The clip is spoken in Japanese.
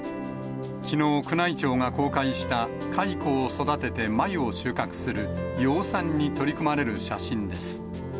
きのう、宮内庁が公開した蚕を育てて繭を収穫する、養蚕に取り組まれる写真です。